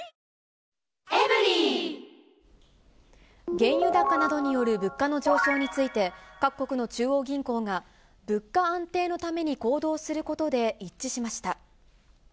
原油高などによる物価の上昇について、各国の中央銀行が、物価安定のために行動することで一致しました。